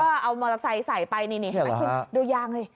แล้วก็เอามอเตอร์ไซค์ใส่ไปดูยางเลย